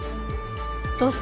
どうして？